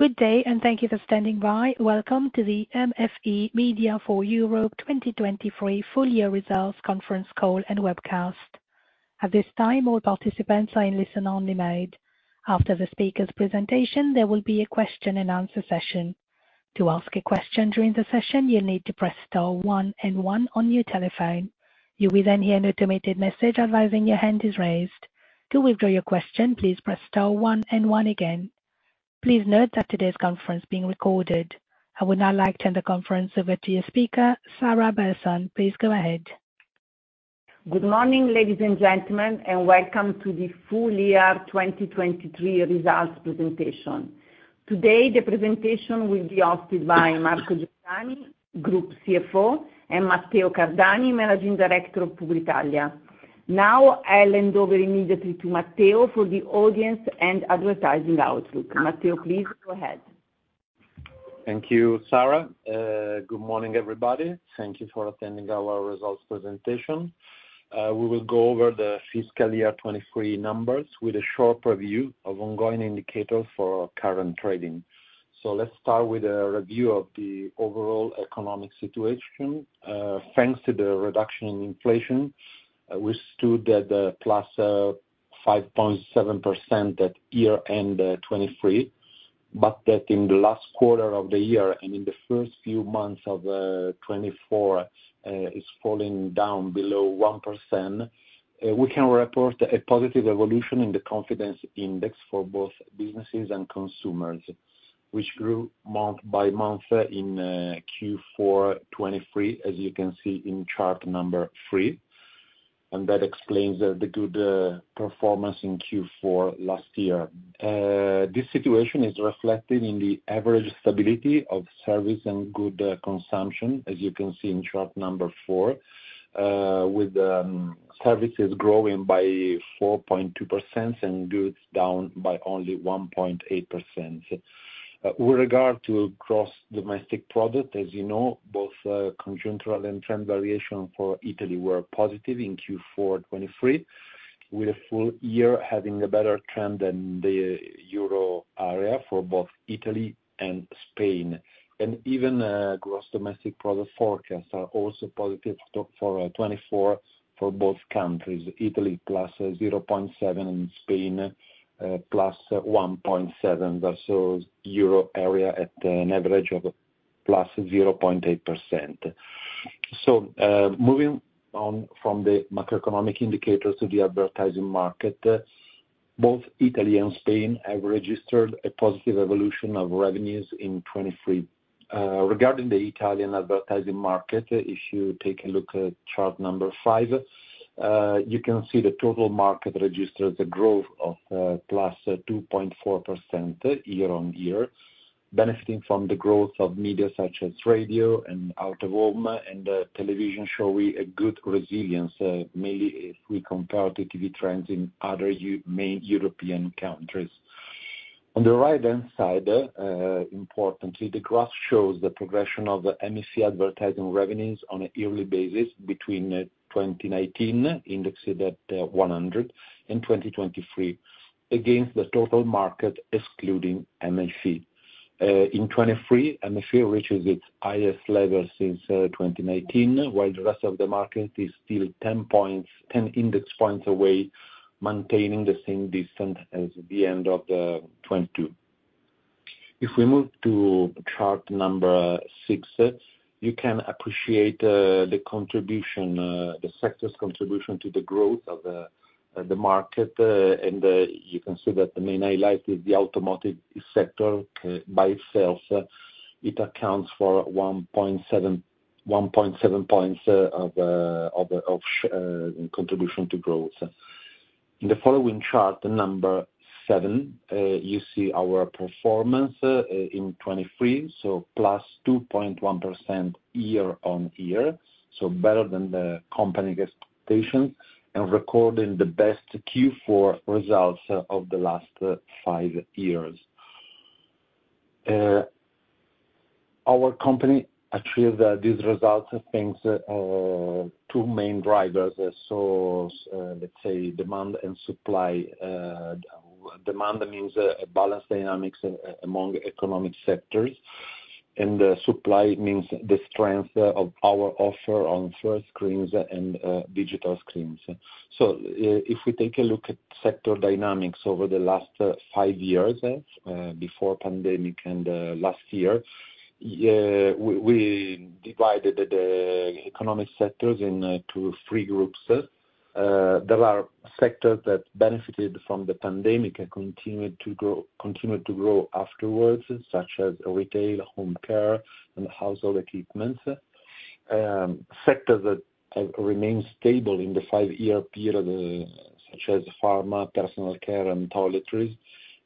Good day and thank you for standing by. Welcome to the MFE-MEDIAFOREUROPE 2023 Full-Year Results Conference Call and Webcast. At this time, all participants are in listen-only mode. After the speaker's presentation, there will be a Q&A session. To ask a question during the session, you'll need to press star one and one on your telephone. You will then hear an automated message advising your hand is raised. To withdraw your question, please press star one and one again. Please note that today's conference is being recorded. I would now like to turn the conference over to your speaker, Sara Bersan. Please go ahead. Good morning, ladies and gentlemen, and welcome to the full-year 2023 results presentation. Today, the presentation will be hosted by Marco Giordani, Group CFO, and Matteo Cardani, Managing Director of Publitalia. Now I'll hand over immediately to Matteo for the audience and advertising outlook. Matteo, please go ahead. Thank you, Sara. Good morning, everybody. Thank you for attending our results presentation. We will go over the fiscal year 2023 numbers with a short preview of ongoing indicators for current trading. Let's start with a review of the overall economic situation. Thanks to the reduction in inflation, we stood at +5.7% at year-end 2023, but that in the last quarter of the year and in the first few months of 2024 is falling down below 1%. We can report a positive evolution in the confidence index for both businesses and consumers, which grew month by month in Q4 2023, as you can see in chart number three, and that explains the good performance in Q4 last year. This situation is reflected in the average stability of service and good consumption, as you can see in chart number four, with services growing by 4.2% and goods down by only 1.8%. With regard to gross domestic product, as you know, both conjunctural and trend variation for Italy were positive in Q4 2023, with the full year having a better trend than the Euro area for both Italy and Spain. And even gross domestic product forecasts are also positive for 2024 for both countries, Italy +0.7% and Spain +1.7%, thus Euro area at an average of +0.8%. So moving on from the macroeconomic indicators to the advertising market, both Italy and Spain have registered a positive evolution of revenues in 2023. Regarding the Italian advertising market, if you take a look at chart number five, you can see the total market registered a growth of +2.4% year-on-year, benefiting from the growth of media such as radio and out-of-home and television showing a good resilience, mainly if we compare to TV trends in other main European countries. On the right-hand side, importantly, the graph shows the progression of MFE advertising revenues on a yearly basis between 2019, indexed at 100, and 2023, against the total market excluding MFE. In 2023, MFE reaches its highest level since 2019, while the rest of the market is still 10 index points away, maintaining the same distance as the end of 2022. If we move to chart number six, you can appreciate the sector's contribution to the growth of the market, and you can see that the main highlight is the automotive sector by itself. It accounts for 1.7 points of contribution to growth. In the following chart number seven, you see our performance in 2023, so +2.1% year-on-year, so better than the company's expectations, and recording the best Q4 results of the last five years. Our company achieved these results thanks to two main drivers. So let's say demand and supply. Demand means balanced dynamics among economic sectors, and supply means the strength of our offer on first screens and digital screens. So if we take a look at sector dynamics over the last five years before pandemic and last year, we divided the economic sectors into three groups. There are sectors that benefited from the pandemic and continued to grow afterwards, such as retail, home care, and household equipment. Sectors that have remained stable in the five-year period, such as pharma, personal care, and toiletries.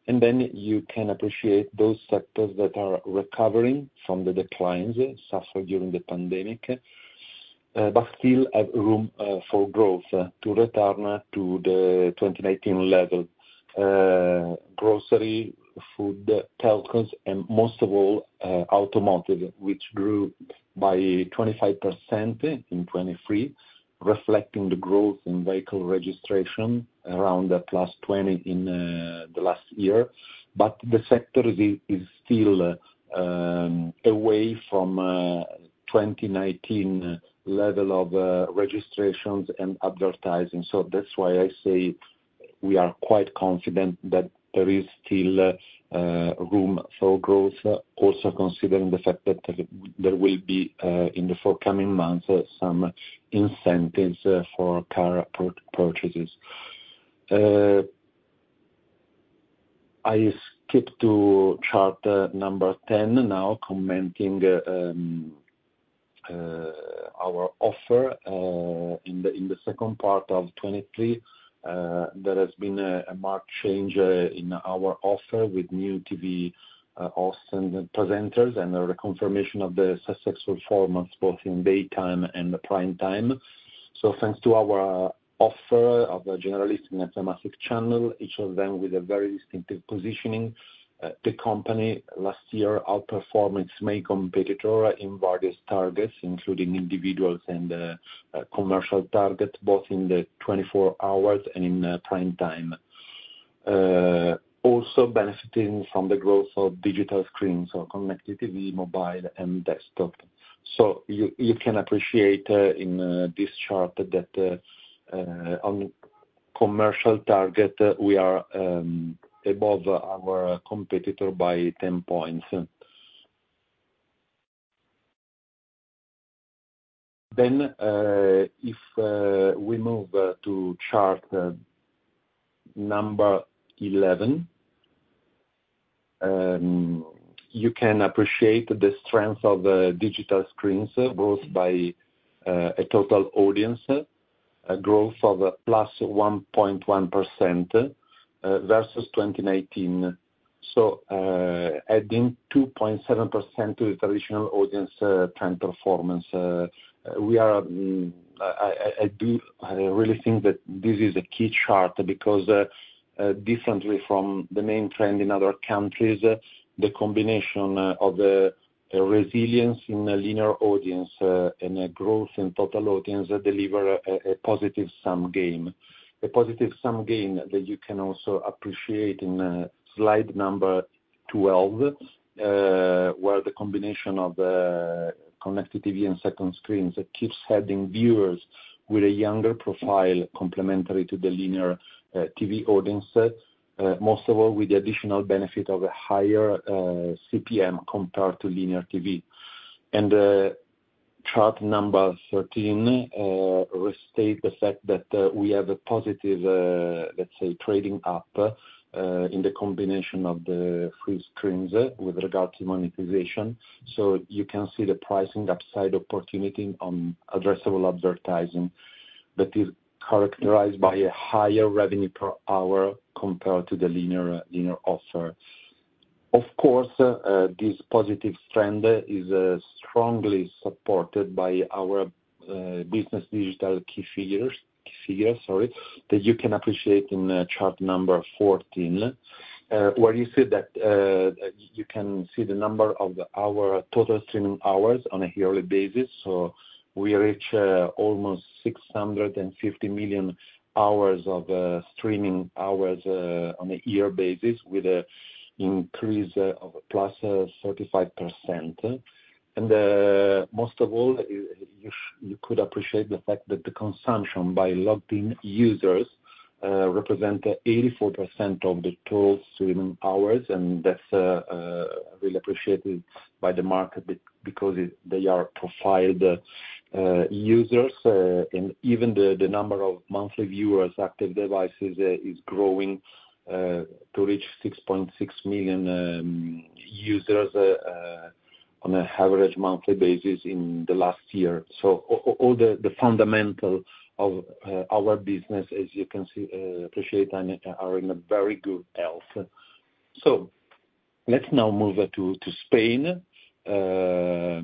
Then you can appreciate those sectors that are recovering from the declines suffered during the pandemic but still have room for growth to return to the 2019 level: grocery, food, telcos, and most of all, automotive, which grew by 25% in 2023, reflecting the growth in vehicle registration around +20% in the last year. But the sector is still away from 2019 level of registrations and advertising. So that's why I say we are quite confident that there is still room for growth, also considering the fact that there will be, in the forthcoming months, some incentives for car purchases. I skip to chart number 10 now, commenting our offer. In the second part of 2023, there has been a marked change in our offer with new TV hosts and presenters and a reconfirmation of the successful performance both in daytime and prime time. So thanks to our offer of a generalist and thematic channel, each of them with a very distinctive positioning, the company last year outperformed its main competitor in various targets, including individuals and commercial targets, both in the 24-hour and in prime time, also benefiting from the growth of digital screens, so connected TV, mobile, and desktop. So you can appreciate in this chart that on commercial target, we are above our competitor by 10 points. Then if we move to chart number 11, you can appreciate the strength of digital screens, growth by a total audience, growth of +1.1% versus 2019. So, adding 2.7% to the traditional audience trend performance, we are. I do really think that this is a key chart because, differently from the main trend in other countries, the combination of resilience in a linear audience and growth in total audience deliver a positive sum gain, a positive sum gain that you can also appreciate in slide number 12, where the combination of connected TV and second screens keeps adding viewers with a younger profile complementary to the linear TV audience, most of all with the additional benefit of a higher CPM compared to linear TV. And chart number 13 restates the fact that we have a positive, let's say, trading up in the combination of the free screens with regard to monetization. So you can see the pricing upside opportunity on addressable advertising that is characterized by a higher revenue per hour compared to the linear offer. Of course, this positive trend is strongly supported by our business digital key figures, sorry, that you can appreciate in chart number 14, where you see that you can see the number of our total streaming hours on a yearly basis. So we reach almost 650 million hours of streaming hours on a year basis with an increase of +35%. And most of all, you could appreciate the fact that the consumption by logged-in users represents 84% of the total streaming hours, and that's really appreciated by the market because they are profiled users. And even the number of monthly viewers' active devices is growing to reach 6.6 million users on an average monthly basis in the last year. So all the fundamentals of our business, as you can appreciate, are in very good health. So let's now move to Spain. So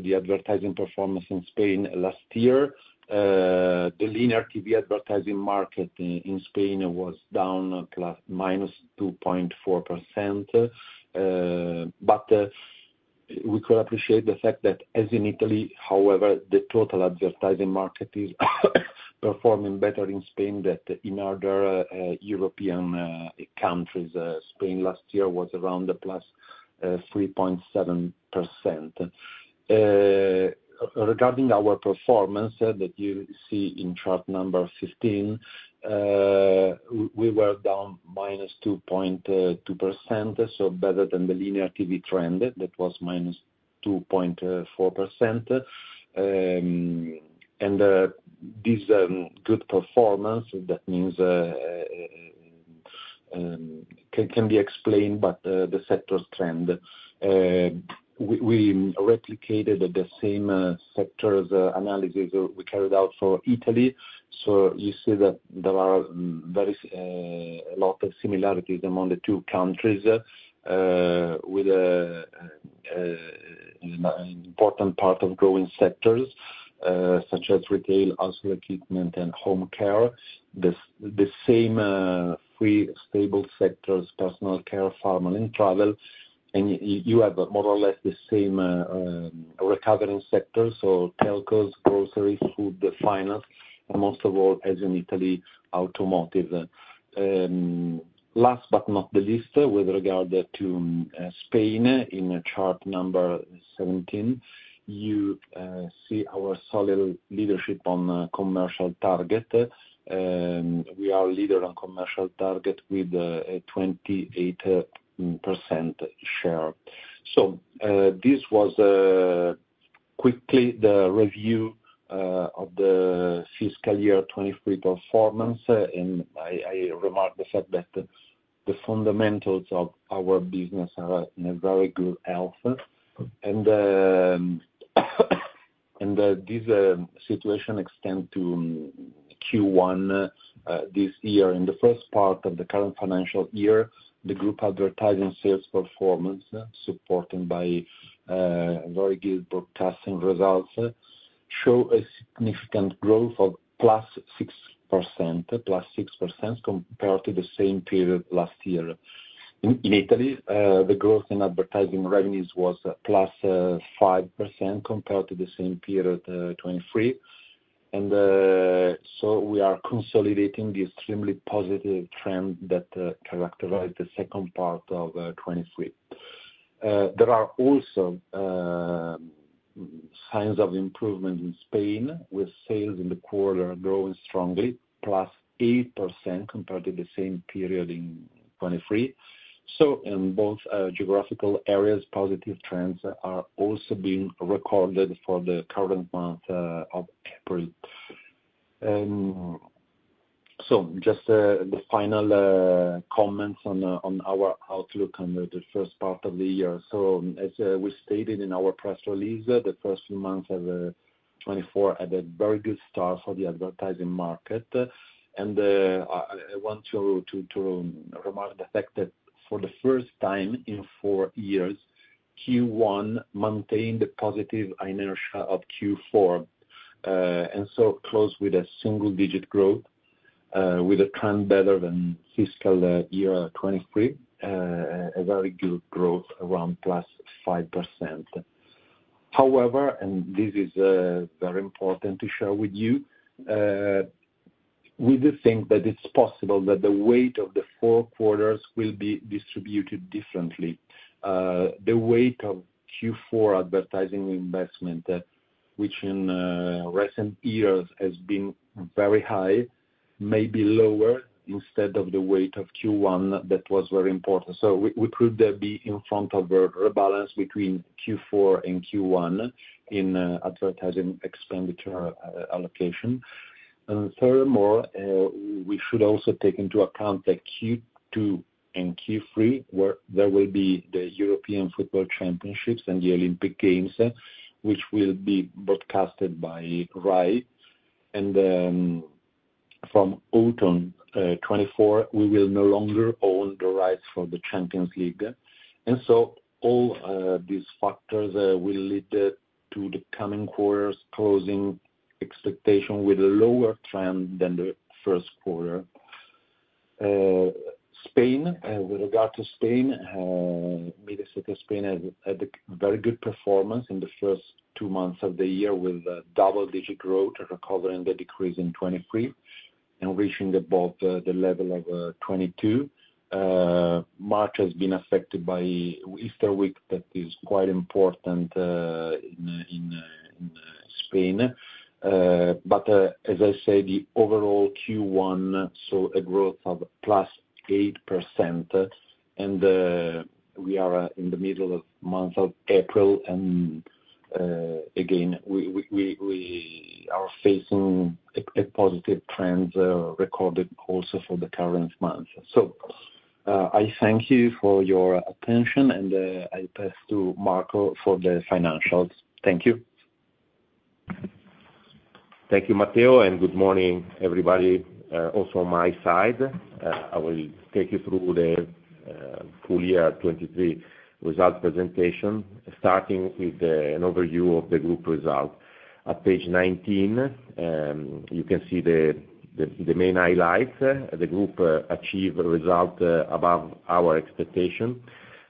the advertising performance in Spain last year, the linear TV advertising market in Spain, was down ±2.4%. But we could appreciate the fact that, as in Italy, however, the total advertising market is performing better in Spain than in other European countries. Spain last year was around +3.7%. Regarding our performance that you see in chart number 15, we were down -2.2%, so better than the linear TV trend that was -2.4%. And this good performance, that means can be explained by the sector's trend. We replicated the same sector analysis we carried out for Italy. So you see that there are a lot of similarities among the two countries with an important part of growing sectors such as retail, household equipment, and home care, the same three stable sectors: personal care, pharma, and travel. You have more or less the same recovering sectors, so telcos, groceries, food, finance, and most of all, as in Italy, automotive. Last but not least, with regard to Spain in chart number 17, you see our solid leadership on commercial target. We are leader on commercial target with a 28% share. So this was quickly the review of the fiscal year 2023 performance, and I remarked the fact that the fundamentals of our business are in very good health. This situation extends to Q1 this year. In the first part of the current financial year, the group advertising sales performance, supported by very good broadcasting results, showed a significant growth of +6% compared to the same period last year. In Italy, the growth in advertising revenues was +5% compared to the same period 2023. So we are consolidating the extremely positive trend that characterized the second part of 2023. There are also signs of improvement in Spain, with sales in the quarter growing strongly, +8% compared to the same period in 2023. So in both geographical areas, positive trends are also being recorded for the current month of April. So just the final comments on our outlook on the first part of the year. So as we stated in our press release, the first few months of 2024 had a very good start for the advertising market. And I want to remark the fact that for the first time in four years, Q1 maintained the positive inertia of Q4 and so closed with a single-digit growth, with a trend better than fiscal year 2023, a very good growth around +5%. However, and this is very important to share with you, we do think that it's possible that the weight of the four quarters will be distributed differently. The weight of Q4 advertising investment, which in recent years has been very high, may be lower instead of the weight of Q1 that was very important. So we could be in front of a rebalance between Q4 and Q1 in advertising expenditure allocation. And furthermore, we should also take into account that Q2 and Q3, where there will be the European Football Championships and the Olympic Games, which will be broadcasted by RAI. And from autumn 2024, we will no longer own the rights for the Champions League. And so all these factors will lead to the coming quarters' closing expectation with a lower trend than the first quarter. Spain, with regard to Spain, Mediaset España had a very good performance in the first two months of the year with double-digit growth, recovering the decrease in 2023, and reaching above the level of 2022. March has been affected by Easter week, that is quite important in Spain. But as I said, the overall Q1, so a growth of +8%. We are in the middle of the month of April. And again, we are facing a positive trend recorded also for the current month. So I thank you for your attention, and I pass to Marco for the financials. Thank you. Thank you, Matteo, and good morning, everybody, also on my side. I will take you through the full year 2023 results presentation, starting with an overview of the group result. At page 19, you can see the main highlights. The group achieved a result above our expectation,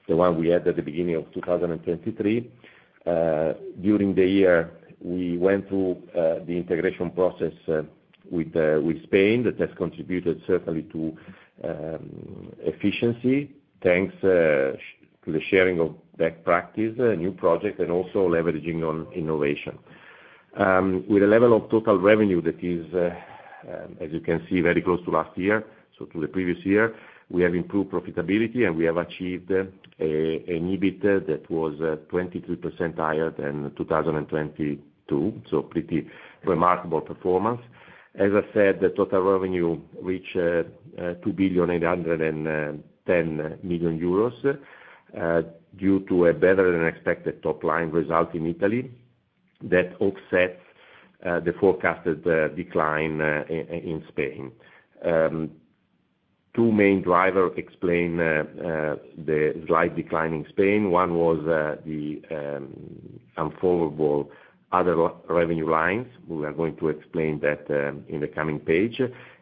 the one we had at the beginning of 2023. During the year, we went through the integration process with Spain. That has contributed, certainly, to efficiency thanks to the sharing of best practice, new projects, and also leveraging on innovation. With a level of total revenue that is, as you can see, very close to last year, so to the previous year, we have improved profitability, and we have achieved an EBIT that was 23% higher than 2022, so pretty remarkable performance. As I said, the total revenue reached 2,810 million euros due to a better-than-expected top-line result in Italy that offsets the forecasted decline in Spain. Two main drivers explain the slight decline in Spain. One was the unfavorable other revenue lines. We are going to explain that in the coming page,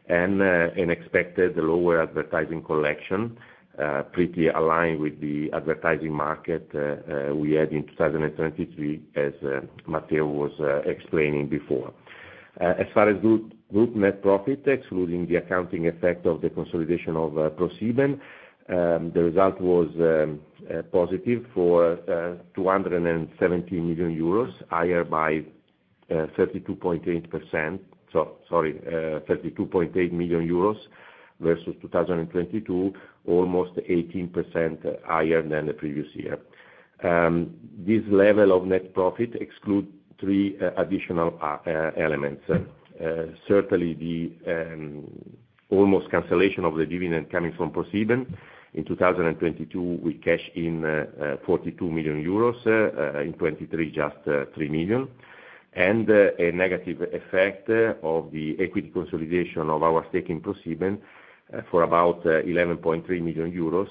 and an expected lower advertising collection, pretty aligned with the advertising market we had in 2023, as Matteo was explaining before. As far as group net profit, excluding the accounting effect of the consolidation of ProSiebenSat.1, the result was positive for 270 million euros, higher by 32.8% sorry, 32.8 million euros versus 2022, almost 18% higher than the previous year. This level of net profit excludes three additional elements. Certainly, the almost cancellation of the dividend coming from ProSiebenSat.1. In 2022, we cashed in 42 million euros. In 2023, just 3 million. And a negative effect of the equity consolidation of our stake in ProSiebenSat.1 for about 11.3 million euros.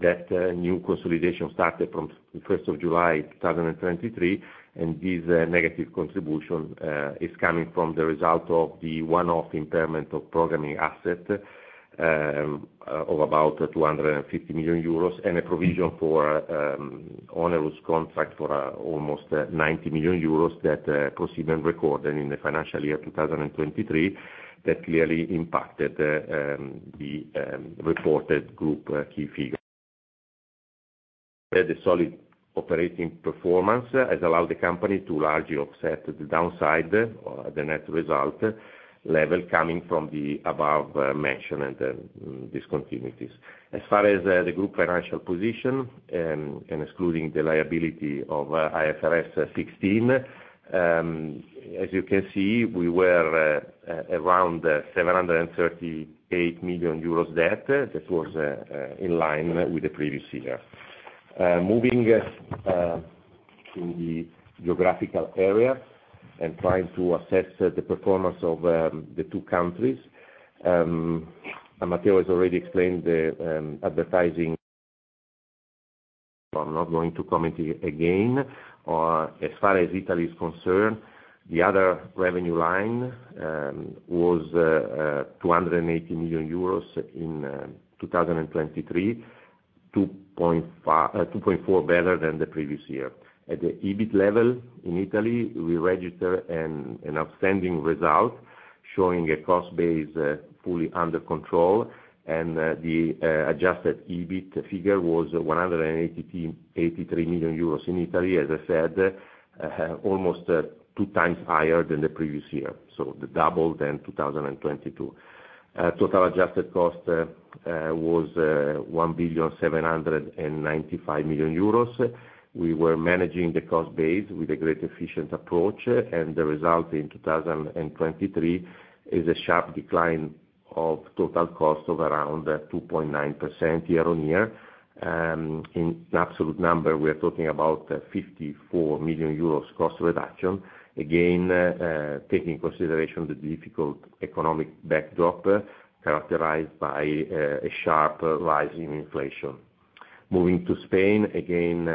That new consolidation started from the 1st of July 2023, and this negative contribution is coming from the result of the one-off impairment of programming asset of about 250 million euros and a provision for onerous contract for almost 90 million euros that ProSiebenSat.1 recorded in the financial year 2023 that clearly impacted the reported group key figure. The solid operating performance has allowed the company to largely offset the downside or the net result level coming from the above-mentioned discontinuities. As far as the group financial position and excluding the liability of IFRS 16, as you can see, we were around 738 million euros debt. That was in line with the previous year. Moving to the geographical area and trying to assess the performance of the two countries, Matteo has already explained the advertising. So I'm not going to comment again. As far as Italy is concerned, the other revenue line was 280 million euros in 2023, 2.4% better than the previous year. At the EBIT level in Italy, we register an outstanding result showing a cost base fully under control. The adjusted EBIT figure was 183 million euros in Italy, as I said, almost two times higher than the previous year, so the double than 2022. Total adjusted cost was 1,795 million euros. We were managing the cost base with a great efficient approach, and the result in 2023 is a sharp decline of total cost of around 2.9% year-over-year. In absolute number, we are talking about 54 million euros cost reduction, again, taking into consideration the difficult economic backdrop characterized by a sharp rise in inflation. Moving to Spain, again,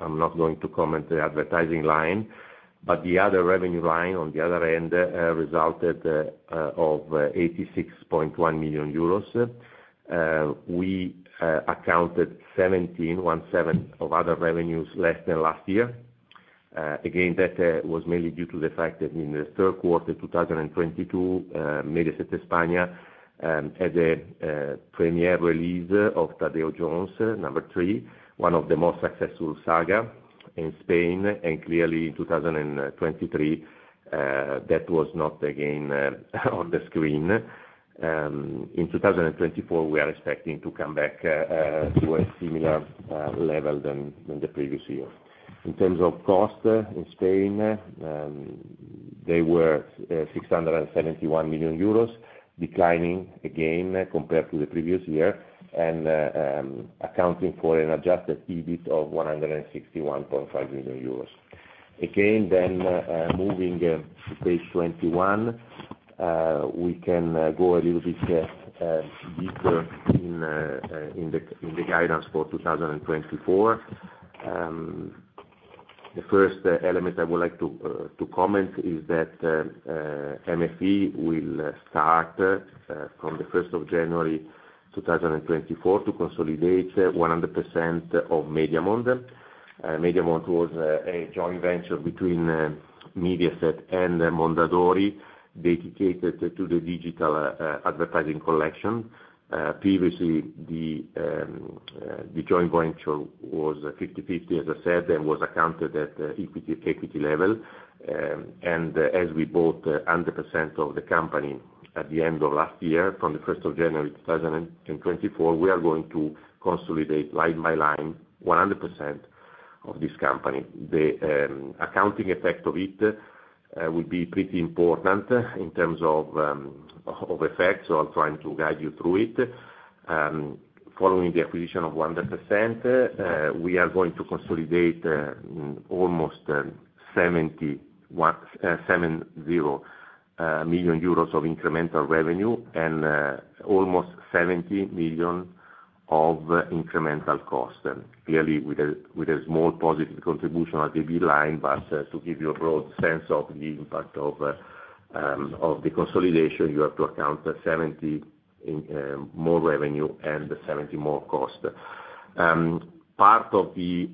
I'm not going to comment on the advertising line, but the other revenue line on the other end resulted in 86.1 million euros. We accounted for 17 million of other revenues less than last year. Again, that was mainly due to the fact that in the third quarter 2022, Mediaset España had a premiere release of Tadeo Jones, number three, one of the most successful saga in Spain. And clearly, in 2023, that was not, again, on the screen. In 2024, we are expecting to come back to a similar level than the previous year. In terms of cost in Spain, they were 671 million euros, declining again compared to the previous year and accounting for an adjusted EBIT of 161.5 million euros. Again, then moving to page 21, we can go a little bit deeper in the guidance for 2024. The first element I would like to comment is that MFE will start from the 1st of January 2024 to consolidate 100% of Mediamond. Mediamond was a joint venture between Mediaset and Mondadori dedicated to the digital advertising collection. Previously, the joint venture was 50/50, as I said, and was accounted at equity level. And as we bought 100% of the company at the end of last year, from the 1st of January 2024, we are going to consolidate line by line 100% of this company. The accounting effect of it will be pretty important in terms of effects, so I'll try to guide you through it. Following the acquisition of 100%, we are going to consolidate almost 70 million euros of incremental revenue and almost 70 million of incremental cost, clearly with a small positive contribution at the B line. To give you a broad sense of the impact of the consolidation, you have to account for 70 million more revenue and 70 million more cost. Part of the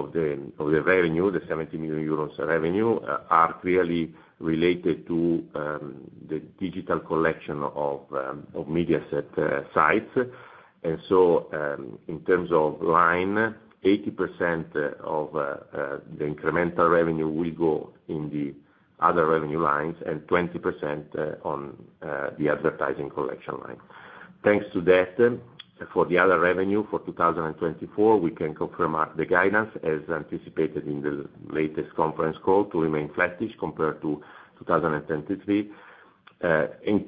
revenue, the 70 million euros revenue, are clearly related to the digital collection of Mediaset sites. And so in terms of line, 80% of the incremental revenue will go in the other revenue lines and 20% on the advertising collection line. Thanks to that, for the other revenue for 2024, we can confirm the guidance as anticipated in the latest conference call to remain flattish compared to 2023,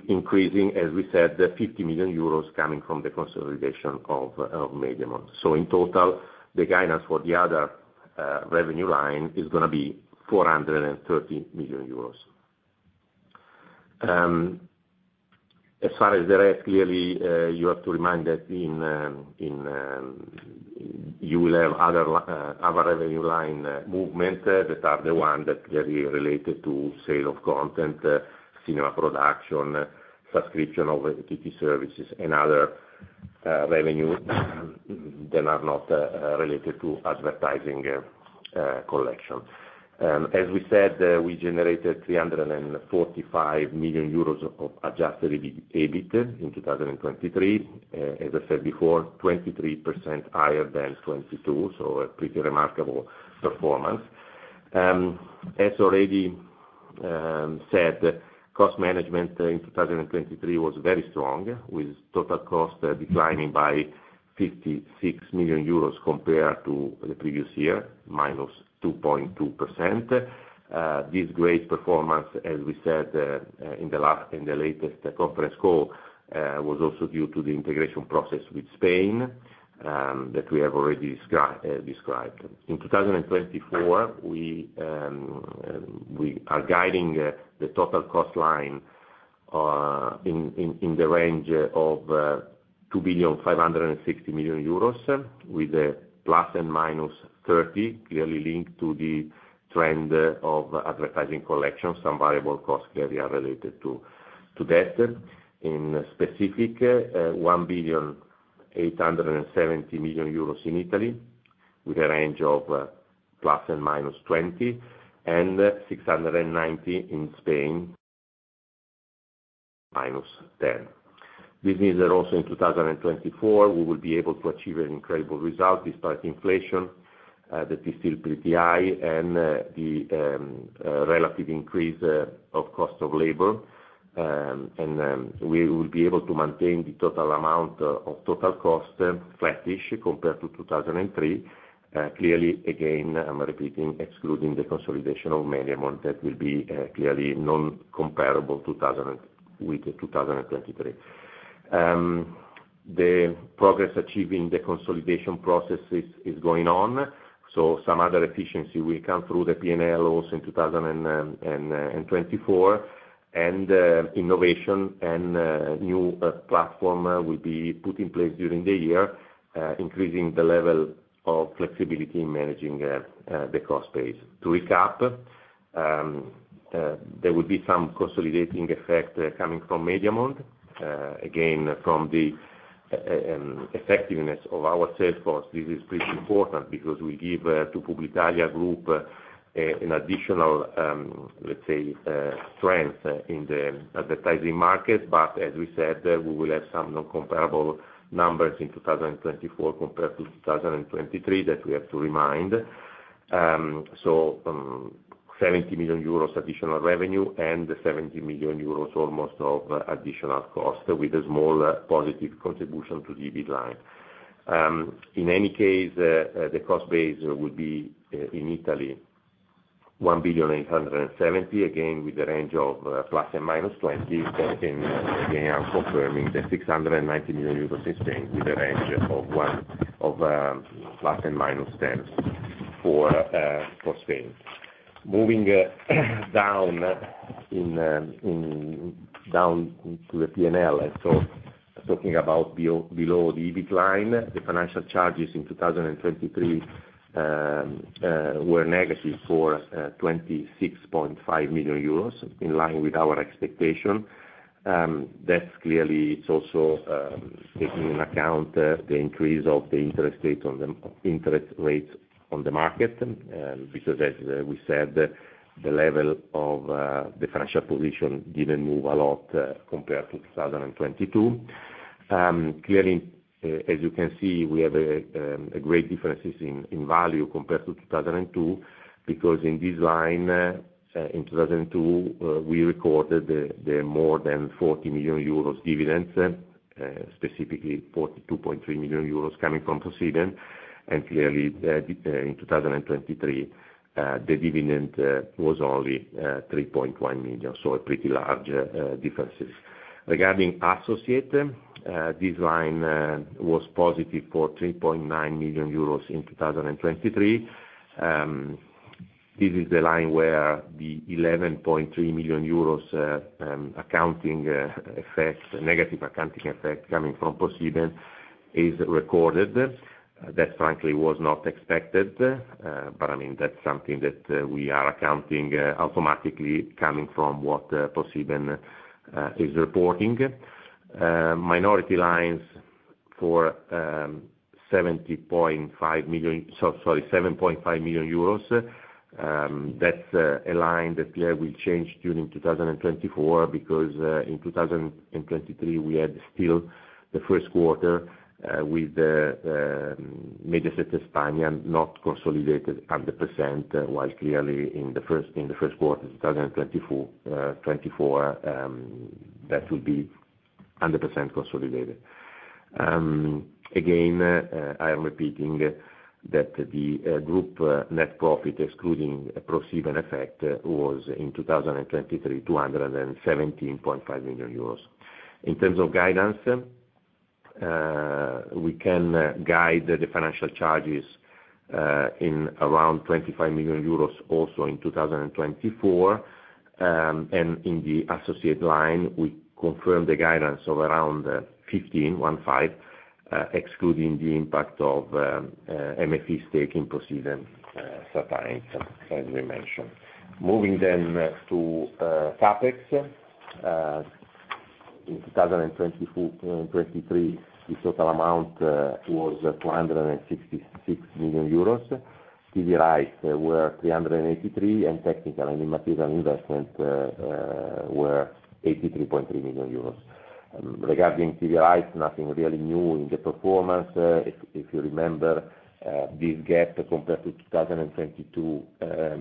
increasing, as we said, 50 million euros coming from the consolidation of Mediamond. So in total, the guidance for the other revenue line is going to be 430 million euros. As far as the rest, clearly, you have to remind that you will have other revenue line movements that are the ones that clearly related to sale of content, cinema production, subscription of entity services, and other revenue that are not related to advertising collection. As we said, we generated 345 million euros of Adjusted EBIT in 2023. As I said before, 23% higher than 2022, so a pretty remarkable performance. As already said, cost management in 2023 was very strong, with total cost declining by 56 million euros compared to the previous year, -2.2%. This great performance, as we said in the latest conference call, was also due to the integration process with Spain that we have already described. In 2024, we are guiding the total cost line in the range of 2.56 billion, with ±30 clearly linked to the trend of advertising collection. Some variable costs clearly are related to that. In specific, 1.87 billion in Italy, with a range of ±20, and 690 million in Spain, -10. Businesses also in 2024, we will be able to achieve an incredible result despite inflation that is still pretty high and the relative increase of cost of labor. We will be able to maintain the total amount of total cost flattish compared to 2023. Clearly, again, I'm repeating, excluding the consolidation of Mediamond, that will be clearly non-comparable with 2023. The progress achieved in the consolidation process is going on. Some other efficiency will come through the P&L also in 2024. Innovation and new platform will be put in place during the year, increasing the level of flexibility in managing the cost base. To recap, there will be some consolidating effect coming from Mediamond. Again, from the effectiveness of our sales force, this is pretty important because we give to Publitalia Group an additional, let's say, strength in the advertising market. But as we said, we will have some non-comparable numbers in 2024 compared to 2023 that we have to remind. So 70 million euros additional revenue and almost 70 million euros of additional cost with a small positive contribution to the EBIT line. In any case, the cost base would be in Italy, 1.87 billion, again, with a range of ±20. And again, I'm confirming that 690 million euros in Spain with a range of ±10 for Spain. Moving down to the P&L, so talking about below the EBIT line, the financial charges in 2023 were negative for 26.5 million euros, in line with our expectation. That's clearly, it's also taking into account the increase of the interest rates on the market because, as we said, the level of the financial position didn't move a lot compared to 2022. Clearly, as you can see, we have great differences in value compared to 2022 because in this line, in 2022, we recorded more than 40 million euros dividends, specifically 42.3 million euros coming from ProSiebenSat.1. And clearly, in 2023, the dividend was only 3.1 million, so pretty large differences. Regarding Associate, this line was positive for 3.9 million euros in 2023. This is the line where the 11.3 million euros negative accounting effect coming from ProSiebenSat.1 is recorded. That, frankly, was not expected. But I mean, that's something that we are accounting automatically coming from what ProSiebenSat.1 is reporting. Minority line for 70.5 million ,sorry, 7.5 million euros—that's a line that clearly will change during 2024 because in 2023, we had still the first quarter with Mediaset España not consolidated 100%. While clearly, in the first quarter of 2024, that will be 100% consolidated. Again, I am repeating that the group net profit, excluding ProSiebenSat.1 effect, was in 2023, 217.5 million euros. In terms of guidance, we can guide the financial charges in around 25 million euros also in 2024. And in the Associate line, we confirm the guidance of around 15, 15, excluding the impact of MFE stake in ProSiebenSat.1, as we mentioned. Moving then to CapEx, in 2023, the total amount was 266 million euros. TV rights were 383 million, and technical and immaterial investment were 83.3 million euros. Regarding TV rights, nothing really new in the performance. If you remember, this gap compared to 2022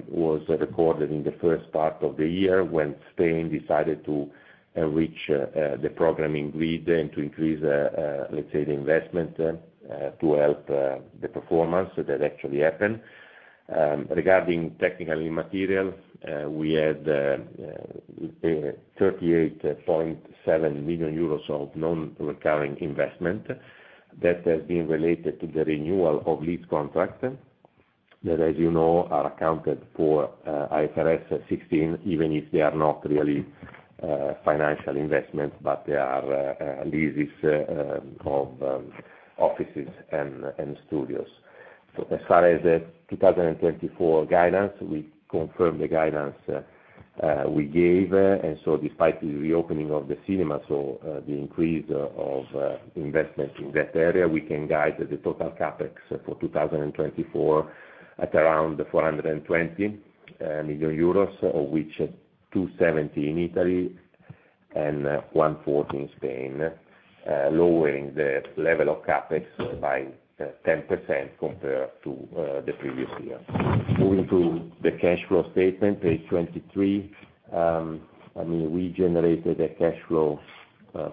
was recorded in the first part of the year when Spain decided to enrich the programming grid and to increase, let's say, the investment to help the performance that actually happened. Regarding technical and immaterial, we had 38.7 million euros of non-recurring investment that has been related to the renewal of lease contracts that, as you know, are accounted for IFRS 16, even if they are not really financial investments, but they are leases of offices and studios. As far as the 2024 guidance, we confirm the guidance we gave. So despite the reopening of the cinema, so the increase of investment in that area, we can guide the total CapEx for 2024 at around 420 million euros, of which 270 million in Italy and 140 million in Spain, lowering the level of CapEx by 10% compared to the previous year. Moving to the cash flow statement, page 23, I mean, we generated a cash flow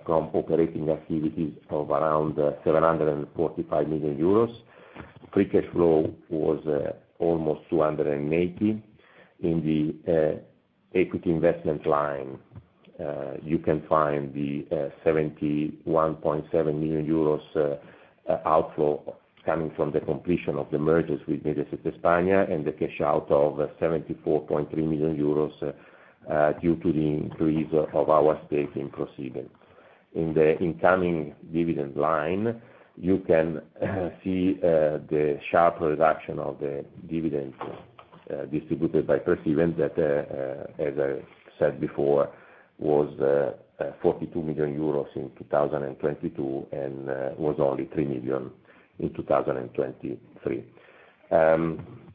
from operating activities of around 745 million euros. Free cash flow was almost 280 million. In the equity investment line, you can find the 71.7 million euros outflow coming from the completion of the mergers with Mediaset España and the cash out of 74.3 million euros due to the increase of our stake in ProSiebenSat.1. In the incoming dividend line, you can see the sharp reduction of the dividend distributed by ProSiebenSat.1 that, as I said before, was 42 million euros in 2022 and was only 3 million in 2023.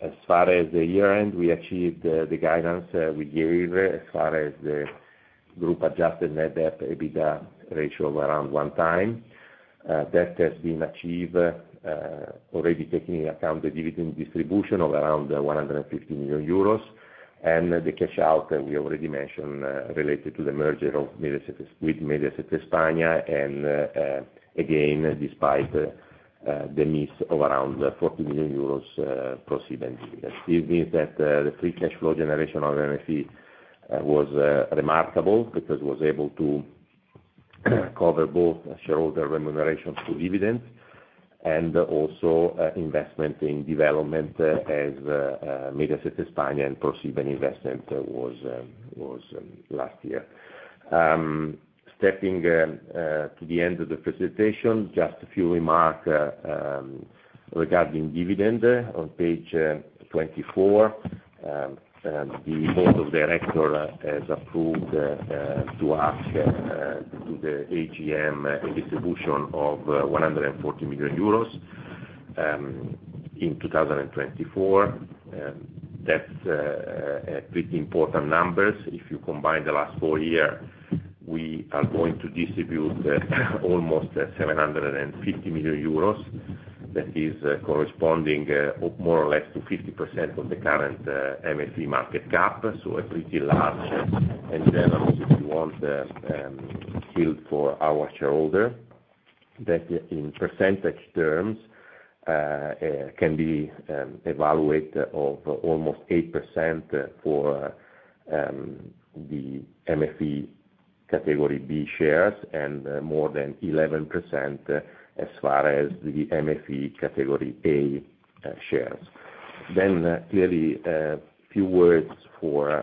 As far as the year-end, we achieved the guidance we gave as far as the group adjusted net debt/EBITDA ratio of around one time. That has been achieved already taking into account the dividend distribution of around 150 million euros. And the cash out that we already mentioned related to the merger with Mediaset España and again, despite the miss of around 40 million euros ProSiebenSat.1 dividend. This means that the free cash flow generation of MFE was remarkable because it was able to cover both shareholder remuneration for dividends and also investment in development as Mediaset España and ProSiebenSat.1 investment was last year. Stepping to the end of the presentation, just a few remarks regarding dividend. On page 24, the board of directors has approved to ask the AGM a distribution of 140 million euros in 2024. That's pretty important numbers. If you combine the last four years, we are going to distribute almost 750 million euros. That is corresponding more or less to 50% of the current MFE market cap, so a pretty large and generous, if you want, yield for our shareholder. That in percentage terms can be evaluated of almost 8% for the MFE category B shares and more than 11% as far as the MFE category A shares. Then clearly, a few words for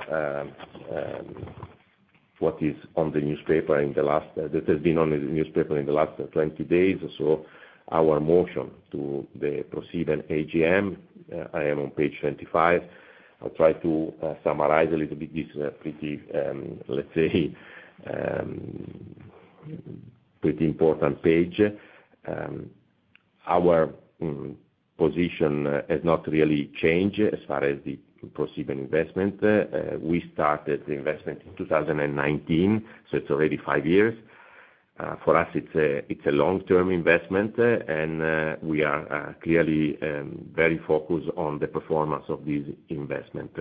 what has been on the newspaper in the last 20 days. So our motion to the ProSiebenSat.1 AGM, I am on page 25. I'll try to summarize a little bit this pretty, let's say, pretty important page. Our position has not really changed as far as the ProSiebenSat.1 investment. We started the investment in 2019, so it's already five years. For us, it's a long-term investment, and we are clearly very focused on the performance of this investment.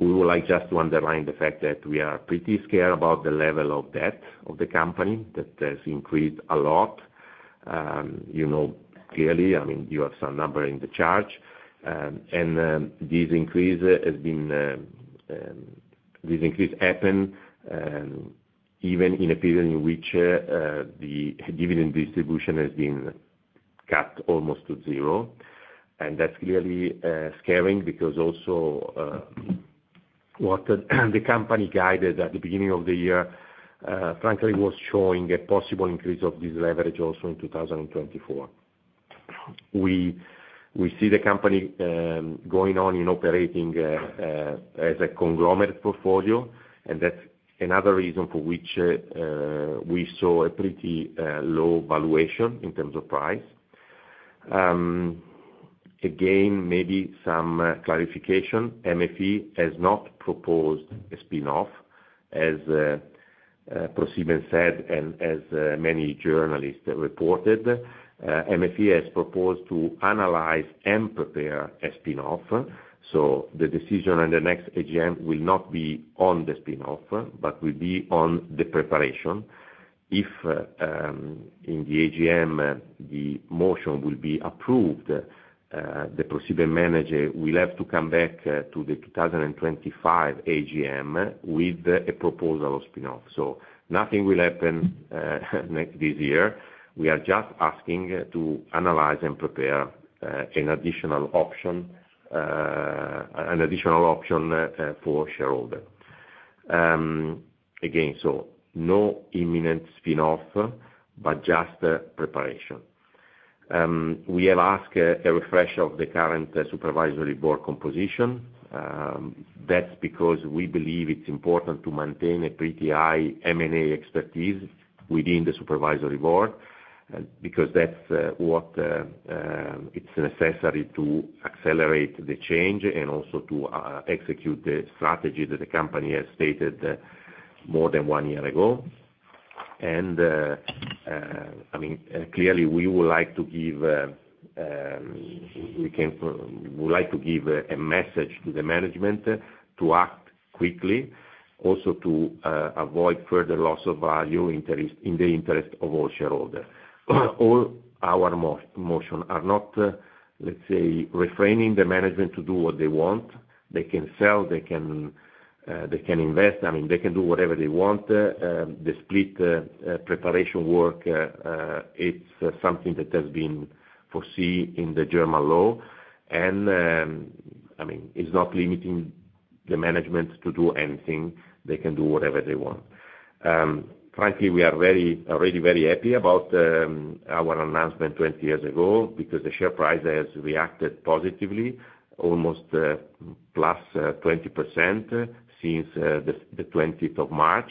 We would like just to underline the fact that we are pretty scared about the level of debt of the company that has increased a lot. Clearly, I mean, you have some number in the chart. And this increase happened even in a period in which the dividend distribution has been cut almost to zero. And that's clearly scary because also what the company guided at the beginning of the year, frankly, was showing a possible increase of this leverage also in 2024. We see the company going on in operating as a conglomerate portfolio, and that's another reason for which we saw a pretty low valuation in terms of price. Again, maybe some clarification. MFE has not proposed a spinoff, as ProSiebenSat.1 said and as many journalists reported. MFE has proposed to analyze and prepare a spinoff. So the decision on the next AGM will not be on the spinoff, but will be on the preparation. If in the AGM, the motion will be approved, the ProSiebenSat.1 manager will have to come back to the 2025 AGM with a proposal of spinoff. So nothing will happen this year. We are just asking to analyze and prepare an additional option for shareholder. Again, so no imminent spinoff, but just preparation. We have asked a refresh of the current Supervisory Board composition. That's because we believe it's important to maintain a pretty high M&A expertise within the Supervisory Boardbecause that's what it's necessary to accelerate the change and also to execute the strategy that the company has stated more than one year ago. I mean, clearly, we would like to give a message to the management to act quickly, also to avoid further loss of value in the interest of all shareholders. All our motions are not, let's say, refraining the management to do what they want. They can sell. They can invest. I mean, they can do whatever they want. The split preparation work, it's something that has been foreseen in the German law. I mean, it's not limiting the management to do anything. They can do whatever they want. Frankly, we are already very happy about our announcement 20 years ago because the share price has reacted positively, almost +20% since the 20th of March,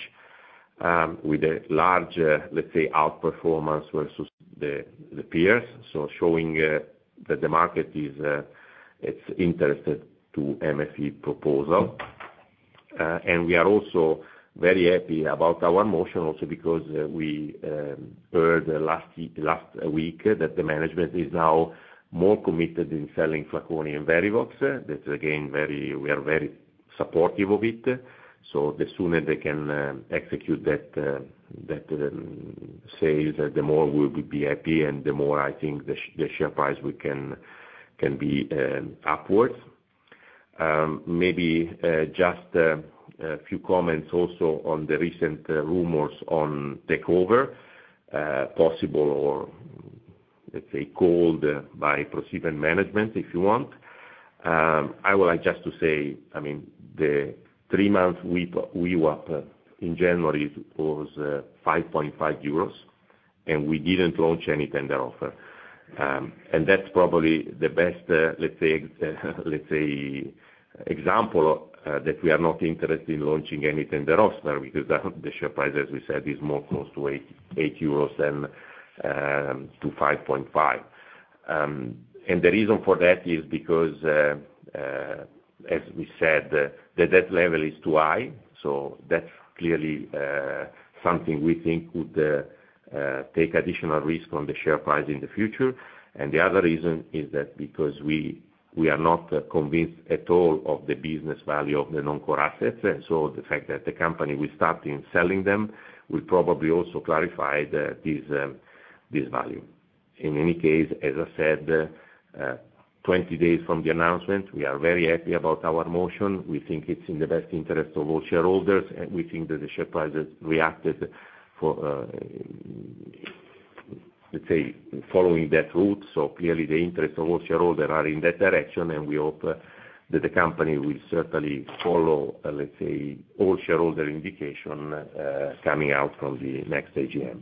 with a large, let's say, outperformance versus the peers, so showing that the market is interested in the MFE proposal. And we are also very happy about our motion also because we heard last week that the management is now more committed in selling Flaconi and Verivox. That's again, very we are very supportive of it. So the sooner they can execute that sale, the more we will be happy, and the more, I think, the share price can be upwards. Maybe just a few comments also on the recent rumors on takeover, possible or, let's say, called by ProSiebenSat.1 management, if you want. I would like just to say, I mean, the three-month VWAP in January was 5.5 euros, and we didn't launch any tender offer. And that's probably the best, let's say, example that we are not interested in launching any tender offer because the share price, as we said, is more close to 8 euros than to 5.5. And the reason for that is because, as we said, the debt level is too high. So that's clearly something we think would take additional risk on the share price in the future. And the other reason is that because we are not convinced at all of the business value of the non-core assets. And so the fact that the company will start in selling them will probably also clarify this value. In any case, as I said, 20 days from the announcement, we are very happy about our motion. We think it's in the best interest of all shareholders, and we think that the share price has reacted, let's say, following that route. So clearly, the interest of all shareholders are in that direction, and we hope that the company will certainly follow, let's say, all shareholder indication coming out from the next AGM.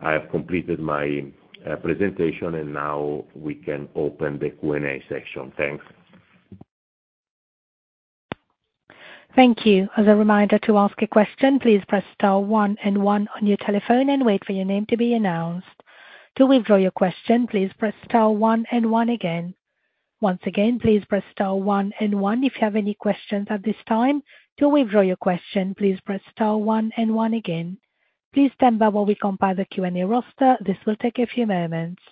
I have completed my presentation, and now we can open the Q&A section. Thanks. Thank you. As a reminder, to ask a question, please press star one and one on your telephone and wait for your name to be announced. To withdraw your question, please press star one and one again. Once again, please press star one and one. If you have any questions at this time, to withdraw your question, please press star one and one again. Please stand by while we compile the Q&A roster. This will take a few moments.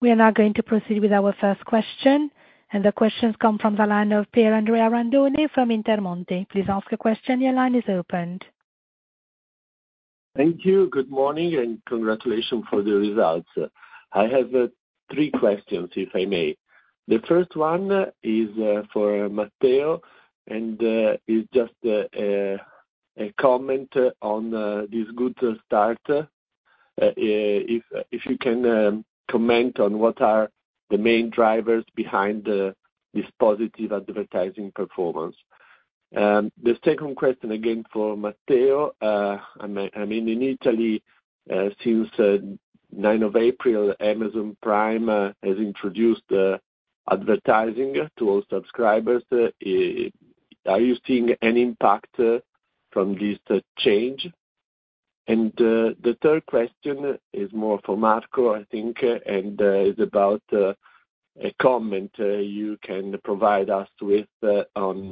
We are now going to proceed with our first question. And the questions come from the line of Andrea Randone from Intermonte. Please ask a question. Your line is opened. Thank you. Good morning and congratulations for the results. I have three questions, if I may. The first one is for Matteo, and it's just a comment on this good start. If you can comment on what are the main drivers behind this positive advertising performance? The second question, again, for Matteo. I mean, in Italy, since 9th of April, Amazon Prime has introduced advertising to all subscribers. Are you seeing any impact from this change? And the third question is more for Marco, I think, and is about a comment you can provide us with on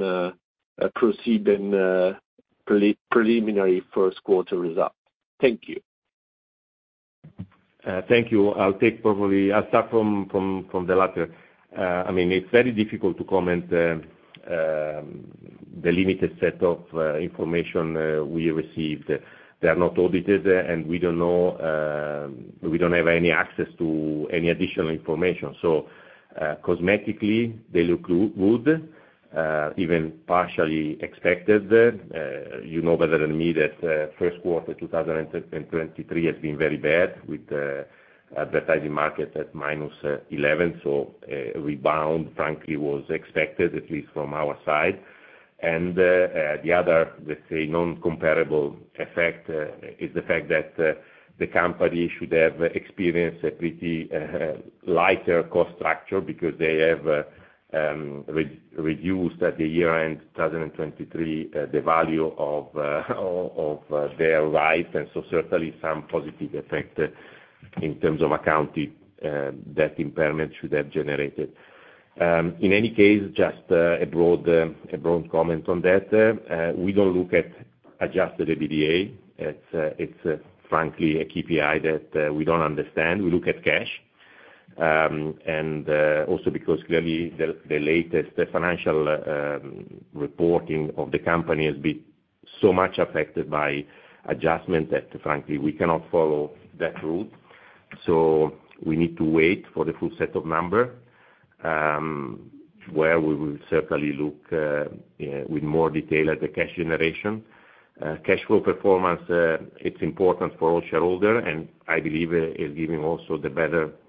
ProSiebenSat.1 preliminary first-quarter results. Thank you. Thank you. I'll take probably I'll start from the latter. I mean, it's very difficult to comment the limited set of information we received. They are not audited, and we don't know we don't have any access to any additional information. So cosmetically, they look good, even partially expected. You know better than me that first quarter 2023 has been very bad with the advertising market at -11%. So a rebound, frankly, was expected, at least from our side. And the other, let's say, non-comparable effect is the fact that the company should have experienced a pretty lighter cost structure because they have reduced at the year-end 2023 the value of their rights. And so certainly, some positive effect in terms of accounting debt impairment should have generated. In any case, just a broad comment on that. We don't look at adjusted EBITDA. It's, frankly, a KPI that we don't understand. We look at cash. Also because clearly, the latest financial reporting of the company has been so much affected by adjustment that, frankly, we cannot follow that route. So we need to wait for the full set of numbers where we will certainly look with more detail at the cash generation. Cash flow performance, it's important for all shareholders, and I believe it's giving also the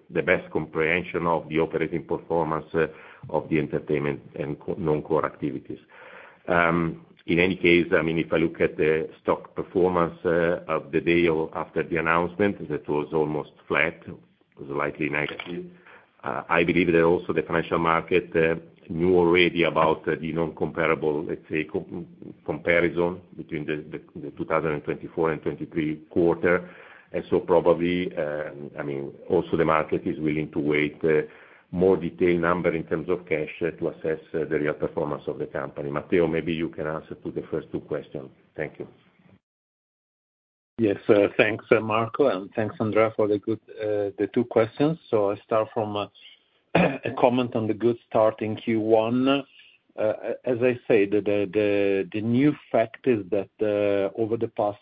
best comprehension of the operating performance of the entertainment and non-core activities. In any case, I mean, if I look at the stock performance of the day after the announcement, that was almost flat. It was slightly negative. I believe that also the financial market knew already about the non-comparable, let's say, comparison between the 2024 and 2023 quarter. And so probably, I mean, also the market is willing to wait more detailed numbers in terms of cash to assess the real performance of the company. Matteo, maybe you can answer to the first two questions. Thank you. Yes. Thanks, Marco, and thanks, Andrea, for the two questions. So I'll start from a comment on the good start in Q1. As I said, the new fact is that over the past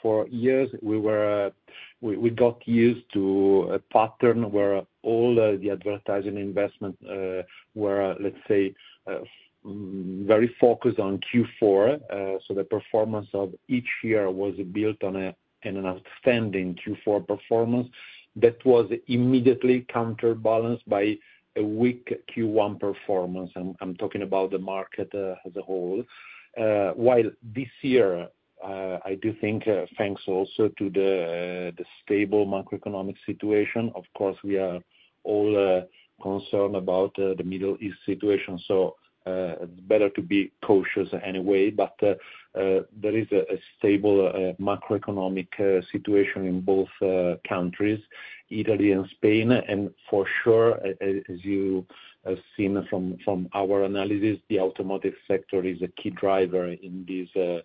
four years, we got used to a pattern where all the advertising investments were, let's say, very focused on Q4. So the performance of each year was built on an outstanding Q4 performance that was immediately counterbalanced by a weak Q1 performance. I'm talking about the market as a whole. While this year, I do think thanks also to the stable macroeconomic situation, of course, we are all concerned about the Middle East situation. So it's better to be cautious anyway. But there is a stable macroeconomic situation in both countries, Italy and Spain. And for sure, as you have seen from our analysis, the automotive sector is a key driver in this,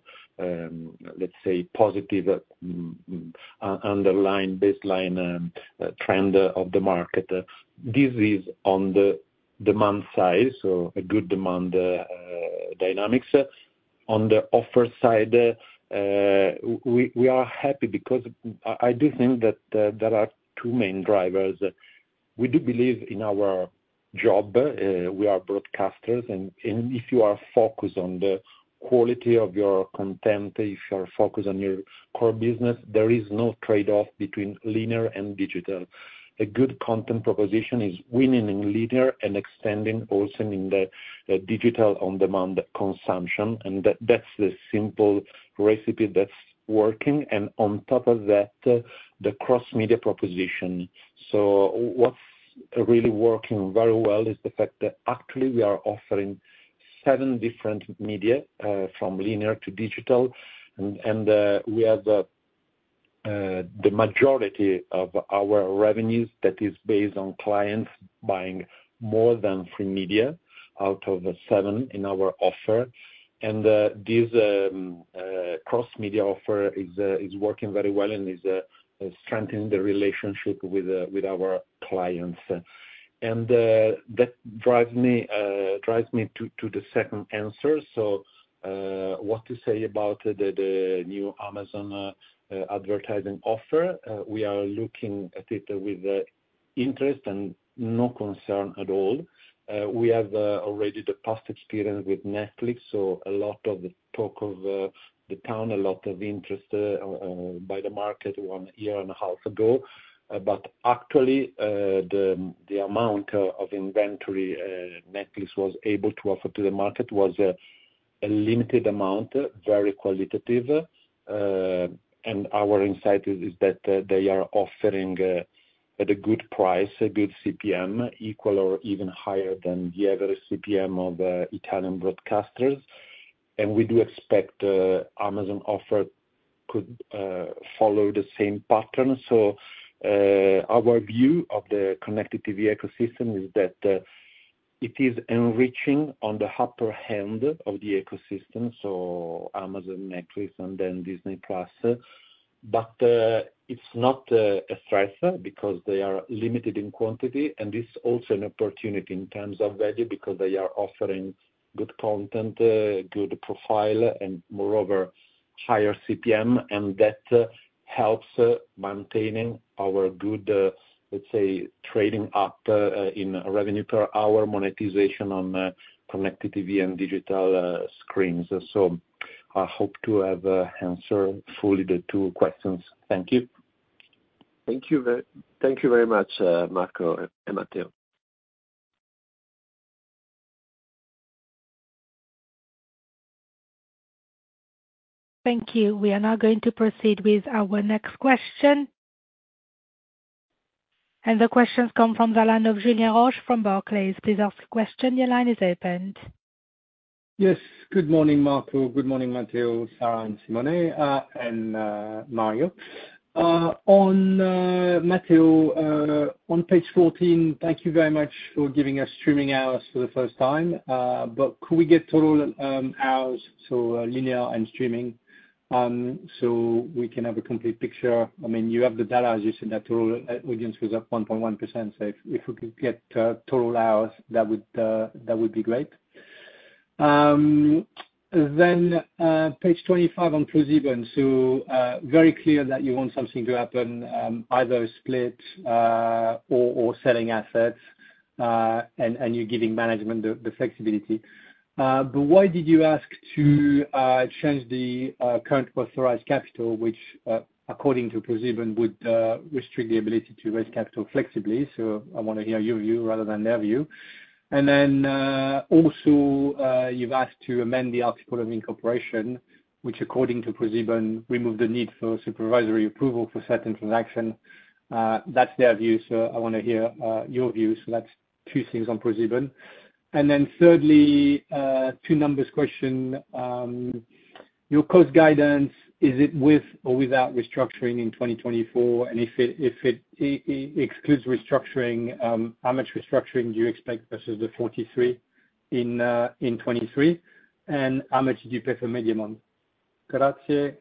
let's say, positive underlying baseline trend of the market. This is on the demand side, so a good demand dynamics. On the offer side, we are happy because I do think that there are two main drivers. We do believe in our job. We are broadcasters. And if you are focused on the quality of your content, if you are focused on your core business, there is no trade-off between linear and digital. A good content proposition is winning in linear and extending also in the digital on-demand consumption. And that's the simple recipe that's working. And on top of that, the cross-media proposition. So what's really working very well is the fact that actually, we are offering seven different media from linear to digital. We have the majority of our revenues that is based on clients buying more than free media out of seven in our offer. This cross-media offer is working very well and is strengthening the relationship with our clients. That drives me to the second answer. So what to say about the new Amazon advertising offer? We are looking at it with interest and no concern at all. We have already the past experience with Netflix. So a lot of the talk of the town, a lot of interest by the market 1 year and a half ago. But actually, the amount of inventory Netflix was able to offer to the market was a limited amount, very qualitative. Our insight is that they are offering at a good price, a good CPM, equal or even higher than the average CPM of Italian broadcasters. We do expect Amazon offer could follow the same pattern. Our view of the connected TV ecosystem is that it is enriching on the upper end of the ecosystem, so Amazon, Netflix, and then Disney+. But it's not a stress because they are limited in quantity. And it's also an opportunity in terms of value because they are offering good content, good profile, and moreover, higher CPM. And that helps maintaining our good, let's say, trading up in revenue per hour, monetization on connected TV and digital screens. So I hope to have answered fully the two questions. Thank you. Thank you very much, Marco and Matteo. Thank you. We are now going to proceed with our next question. The questions come from the line of Julien Roch from Barclays. Please ask a question. Your line is open. Yes. Good morning, Marco. Good morning, Matteo, Sara, and Simone, and Mario. Matteo, on page 14, thank you very much for giving us streaming hours for the first time. But could we get total hours, so linear and streaming, so we can have a complete picture? I mean, you have the data. As you said, that total audience was at 1.1%. So if we could get total hours, that would be great. Then page 25 on ProSiebenSat.1. So very clear that you want something to happen, either split or selling assets, and you're giving management the flexibility. But why did you ask to change the current authorized capital, which, according to ProSiebenSat.1, would restrict the ability to raise capital flexibly? So I want to hear your view rather than their view. And then also, you've asked to amend the article of incorporation, which, according to ProSiebenSat.1, removed the need for supervisory approval for certain transactions. That's their view. So I want to hear your view. So that's two things on ProSiebenSat.1. And then thirdly, two numbers question. Your cost guidance, is it with or without restructuring in 2024? And if it excludes restructuring, how much restructuring do you expect versus the 43 in 2023? And how much do you pay for Mediamond? Grazie.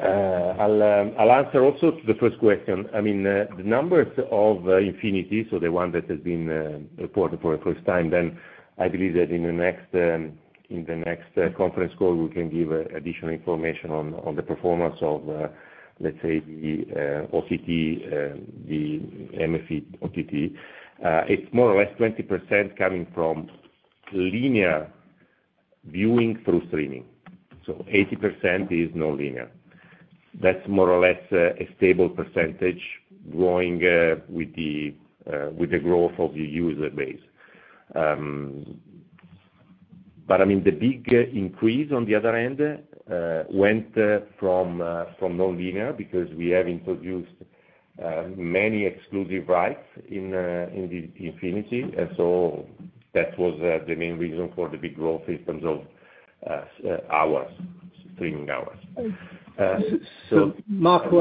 I'll answer also to the first question. I mean, the numbers of Infinity, so the one that has been reported for the first time, then I believe that in the next conference call, we can give additional information on the performance of, let's say, the OTT, the MFE-OTT. It's more or less 20% coming from linear viewing through streaming. So 80% is non-linear. That's more or less a stable percentage growing with the growth of the user base. But I mean, the big increase on the other end went from non-linear because we have introduced many exclusive rights in Infinity. And so that was the main reason for the big growth in terms of streaming hours. Marco,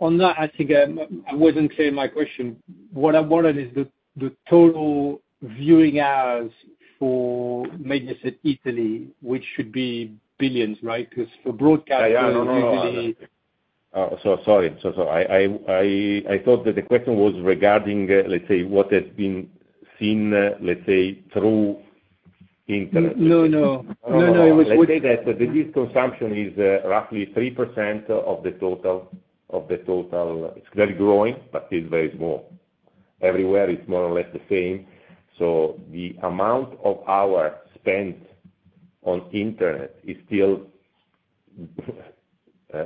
on that, I think I wasn't clear in my question. What I wanted is the total viewing hours for, maybe you said Italy, which should be billions, right? Because for broadcast, it's usually. No, no, no. Sorry. So I thought that the question was regarding, let's say, what has been seen, let's say, through internet. No, no. No, no. It was. Let's say that the disconsumption is roughly 3% of the total. It's very growing, but it's very small. Everywhere, it's more or less the same. So the amount of hours spent on internet is still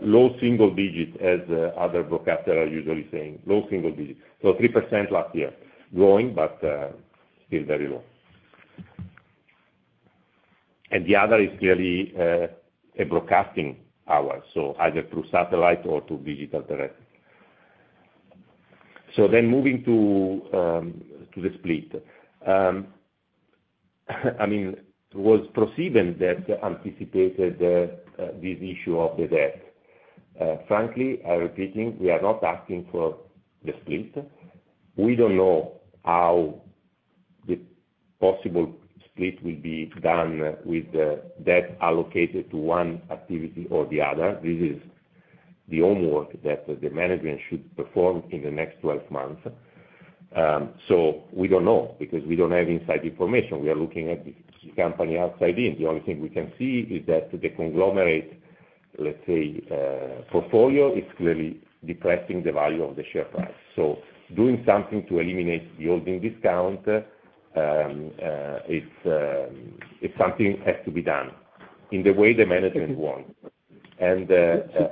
low single digit, as other broadcasters are usually saying, low single digit. So 3% last year, growing, but still very low. And the other is clearly a broadcasting hour, so either through satellite or through digital direct. So then moving to the split. I mean, was ProSiebenSat.1 that anticipated this issue of the debt? Frankly, I'm repeating, we are not asking for the split. We don't know how the possible split will be done with debt allocated to one activity or the other. This is the homework that the management should perform in the next 12 months. So we don't know because we don't have inside information. We are looking at the company outside in. The only thing we can see is that the conglomerate, let's say, portfolio is clearly depressing the value of the share price. So doing something to eliminate the holding discount, something has to be done in the way the management wants.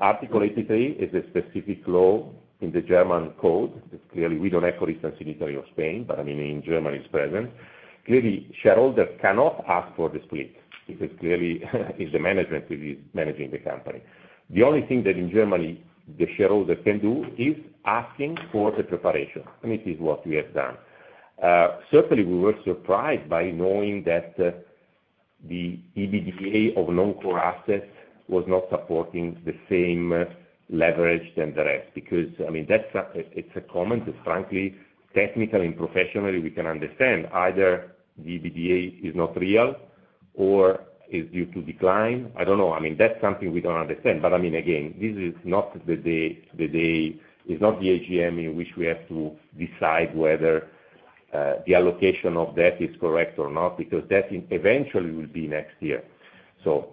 Article 83 is a specific law in the German code. Clearly, we don't have correspondence in Italy or Spain, but I mean, in Germany, it's present. Clearly, shareholders cannot ask for the split because clearly, it's the management who is managing the company. The only thing that in Germany, the shareholder can do is asking for the preparation. It is what we have done. Certainly, we were surprised by knowing that the EBITDA of non-core assets was not supporting the same leverage than the rest because, I mean, it's a comment that, frankly, technically and professionally, we can understand. Either the EBITDA is not real or is due to decline. I don't know. I mean, that's something we don't understand. But I mean, again, this is not the day. It's not the AGM in which we have to decide whether the allocation of debt is correct or not because debt eventually will be next year. So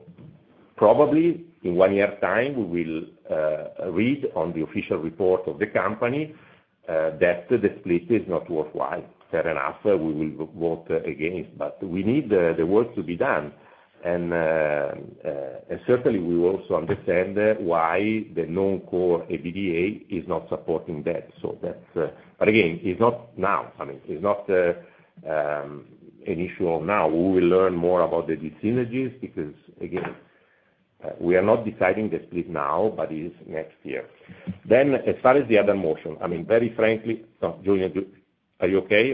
probably, in one year's time, we will read on the official report of the company that the split is not worthwhile. Fair enough. We will vote against. But we need the work to be done. And certainly, we will also understand why the non-core EBITDA is not supporting debt. But again, it's not now. I mean, it's not an issue of now. We will learn more about the distinctions because, again, we are not deciding the split now, but it is next year. Then as far as the other motion, I mean, very frankly, Julien, are you okay?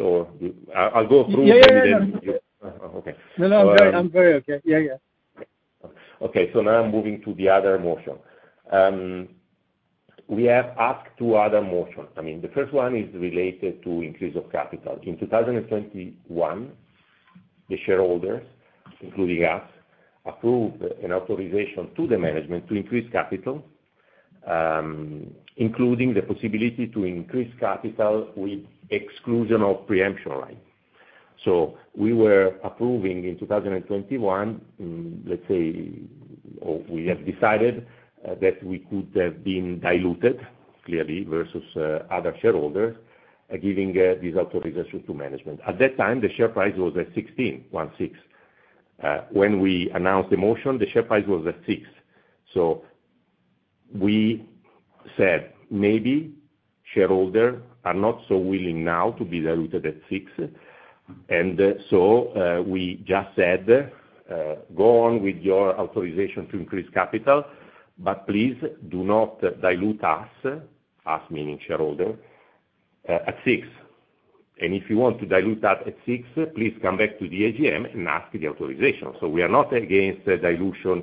I'll go through. Yeah. Yeah. Yeah. Okay. No, no. I'm very okay. Yeah, yeah. Okay. So now I'm moving to the other motion. We have asked two other motions. I mean, the first one is related to increase of capital. In 2021, the shareholders, including us, approved an authorization to the management to increase capital, including the possibility to increase capital with exclusion of preemption rights. So we were approving in 2021, let's say, or we have decided that we could have been diluted, clearly, versus other shareholders, giving this authorization to management. At that time, the share price was at 1.6. When we announced the motion, the share price was at 6. So we said, "Maybe shareholders are not so willing now to be diluted at 6." And so we just said, "Go on with your authorization to increase capital, but please do not dilute us," us meaning shareholders, "at 6. And if you want to dilute that at 6, please come back to the AGM and ask the authorization." We are not against dilution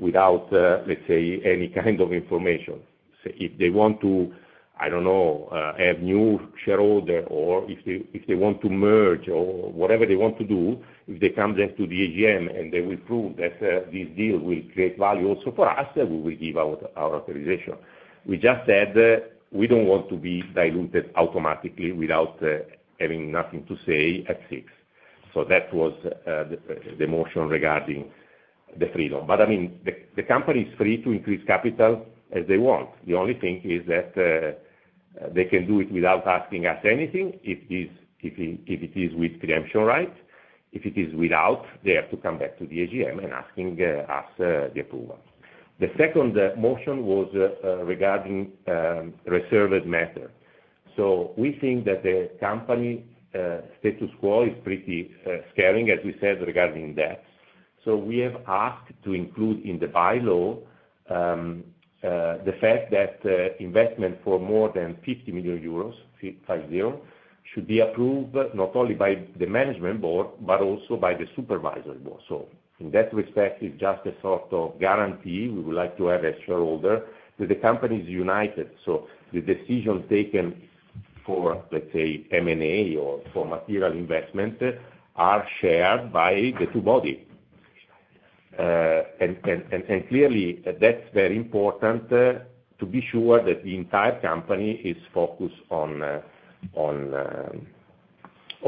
without, let's say, any kind of information. If they want to, I don't know, have new shareholders or if they want to merge or whatever they want to do, if they come back to the AGM and they will prove that this deal will create value also for us, we will give our authorization. We just said we don't want to be diluted automatically without having nothing to say at six. That was the motion regarding the freedom. But I mean, the company is free to increase capital as they want. The only thing is that they can do it without asking us anything if it is with preemption rights. If it is without, they have to come back to the AGM and ask us the approval. The second motion was regarding reserved matter. We think that the company status quo is pretty scary, as we said, regarding debts. We have asked to include in the bylaw the fact that investment for more than 50 million euros should be approved not only by the Management Board but also by the Supervisory Board. In that respect, it's just a sort of guarantee. We would like to have a shareholder that the company is united. The decision taken for, let's say, M&A or for material investment are shared by the two bodies. Clearly, that's very important to be sure that the entire company is focused on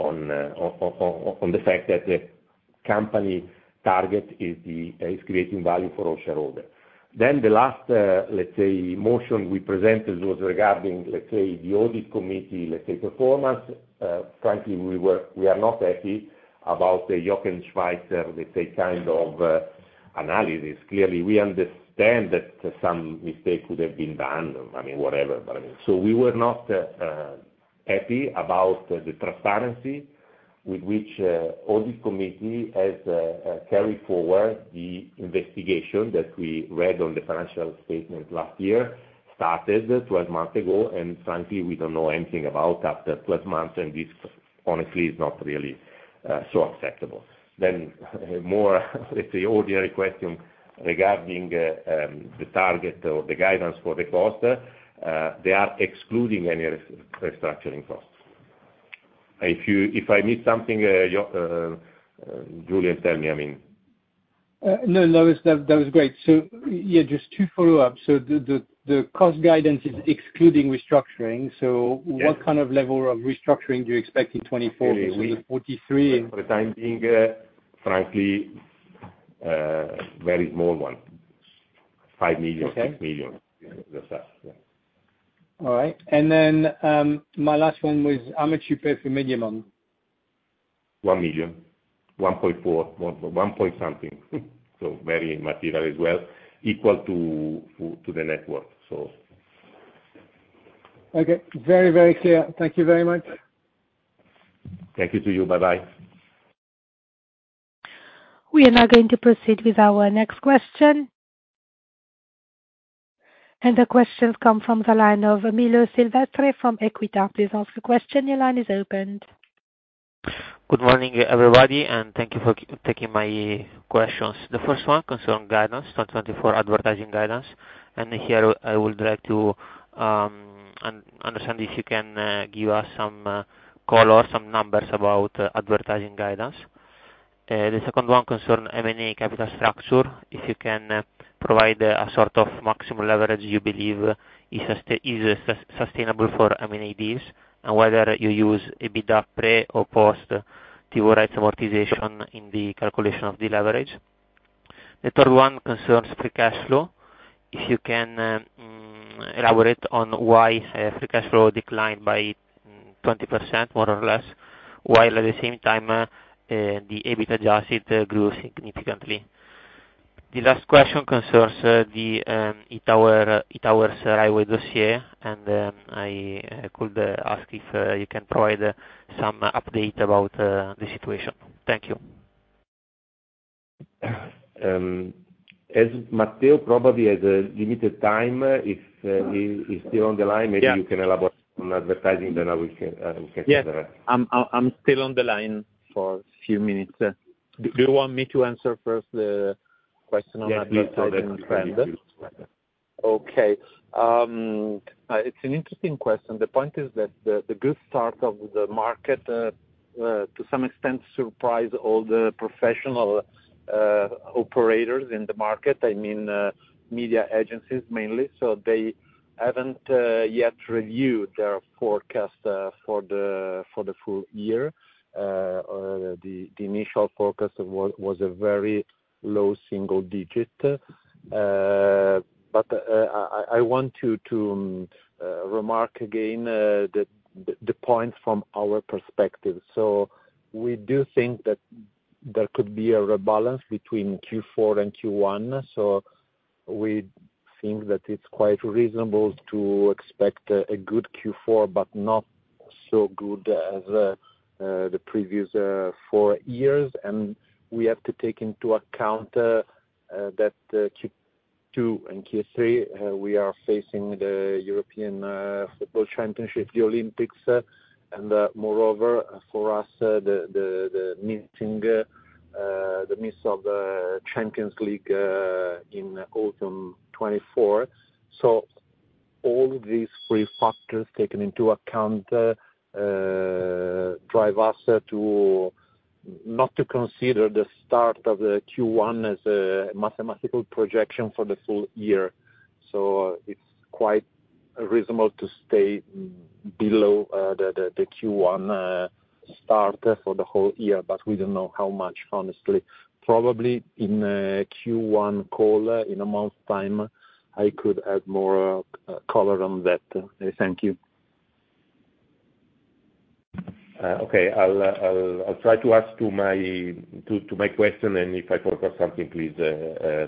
the fact that the company target is creating value for all shareholders. Then the last, let's say, motion we presented was regarding, let's say, theAudit Committee, let's say, performance. Frankly, we are not happy about the Jochen Schweizer, let's say, kind of analysis. Clearly, we understand that some mistake could have been done, I mean, whatever. But I mean, so we were not happy about the transparency with which Audit Committee has carried forward the investigation that we read on the financial statement last year, started 12 months ago. And frankly, we don't know anything about after 12 months. And this, honestly, is not really so acceptable. Then more, let's say, ordinary question regarding the target or the guidance for the cost. They are excluding any restructuring costs. If I miss something, Julien, tell me. I mean. No, no. That was great. So yeah, just two follow-ups. So the cost guidance is excluding restructuring. So what kind of level of restructuring do you expect in 2024 versus the 2023? For the time being, frankly, very small one, 5 million, 6 million, just that. All right. Then my last one was, how much you pay for Mediamond? 1 million, 1.4, 1.something, so very material as well, equal to the net worth, so. Okay. Very, very clear. Thank you very much. Thank you to you. Bye-bye. We are now going to proceed with our next question. The questions come from the line of Milo Silvestre from Equita. Please answer the question. Your line is opened. Good morning, everybody. Thank you for taking my questions. The first one concerns guidance, 2024 advertising guidance. Here, I would like to understand if you can give us some colors, some numbers about advertising guidance. The second one concerns M&A capital structure, if you can provide a sort of maximum leverage you believe is sustainable for M&A deals and whether you use EBITDA pre or post TV rights amortization in the calculation of the leverage. The third one concerns free cash flow, if you can elaborate on why free cash flow declined by 20%, more or less, while at the same time, the EBITDA adjusted grew significantly. The last question concerns EI Towers' Rai Way dossier. I could ask if you can provide some update about the situation. Thank you. As Matteo probably has limited time, if he's still on the line, maybe you can elaborate on advertising. Then we can get there. Yes. I'm still on the line for a few minutes. Do you want me to answer first the question on advertising trend? Yes. Okay. It's an interesting question. The point is that the good start of the market, to some extent, surprised all the professional operators in the market, I mean, media agencies mainly. So they haven't yet reviewed their forecast for the full year. The initial forecast was a very low single digit. But I want to remark again the point from our perspective. So we do think that there could be a re-balance between Q4 and Q1. So we think that it's quite reasonable to expect a good Q4 but not so good as the previous four years. And we have to take into account that Q2 and Q3, we are facing the European Football Championship, the Olympics. And moreover, for us, the missing of the Champions League in autumn 2024. So all these three factors taken into account drive us not to consider the start of the Q1 as a mathematical projection for the full year. So it's quite reasonable to stay below the Q1 start for the whole year. But we don't know how much, honestly. Probably in Q1 call, in a month's time, I could add more color on that. Thank you. Okay. I'll try to ask my question. And if I forgot something, please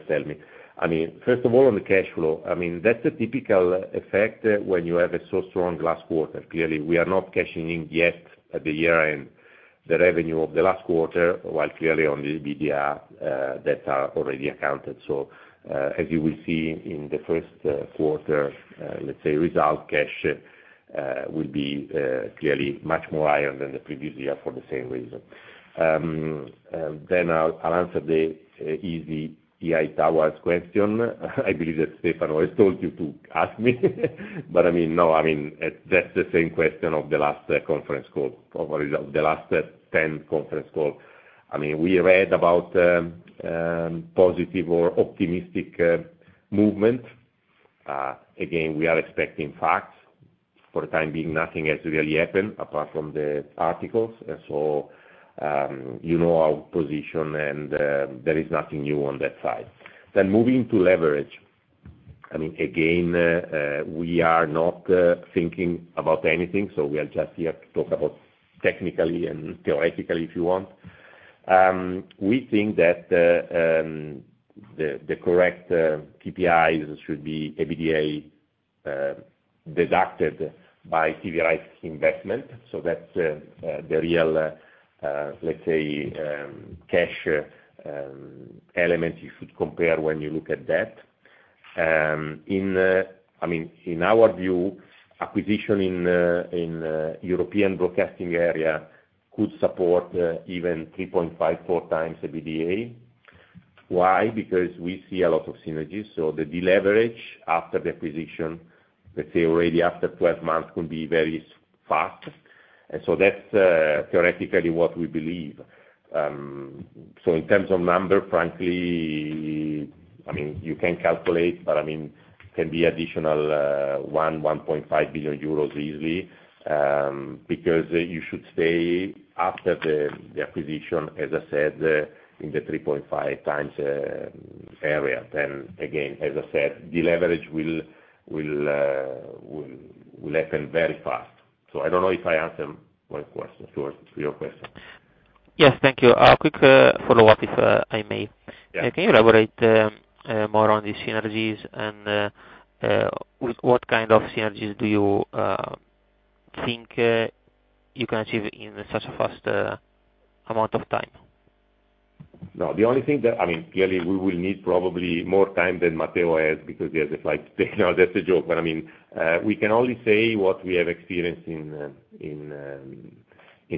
tell me. I mean, first of all, on the cash flow, I mean, that's a typical effect when you have a so strong last quarter. Clearly, we are not cashing in yet at the year-end the revenue of the last quarter, while clearly, on the EBITDA, debts are already accounted. So as you will see in the first quarter, let's say, result cash will be clearly much more higher than the previous year for the same reason. Then I'll answer the easy EBITDA question. I believe that Stefano has told you to ask me. But I mean, no. I mean, that's the same question of the last conference call, probably of the last 10 conference calls. I mean, we read about positive or optimistic movement. Again, we are expecting facts. For the time being, nothing has really happened apart from the articles. And so you know our position. And there is nothing new on that side. Then moving to leverage, I mean, again, we are not thinking about anything. So we are just here to talk about technically and theoretically, if you want. We think that the correct KPIs should be EBITDA deducted by TV rights investment. So that's the real, let's say, cash element you should compare when you look at debt. I mean, in our view, acquisition in European broadcasting area could support even 3.5-4x EBITDA. Why? Because we see a lot of synergies. So the deleverage after the acquisition, let's say, already after 12 months can be very fast. And so that's theoretically what we believe. So in terms of number, frankly, I mean, you can calculate. But I mean, it can be additional 1 billion-1.5 billion euros easily because you should stay after the acquisition, as I said, in the 3.5x area. Then again, as I said, deleverage will happen very fast. So I don't know if I answered my question to your question. Yes. Thank you. Quick follow-up if I may. Can you elaborate more on these synergies? What kind of synergies do you think you can achieve in such a fast amount of time? No. The only thing that I mean, clearly, we will need probably more time than Matteo has because he has a flight today. No, that's a joke. But I mean, we can only say what we have experienced in